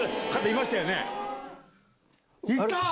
いた！